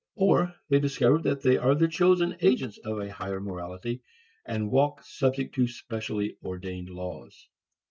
Or they discover that they are the chosen agents of a higher morality and walk subject to specially ordained laws.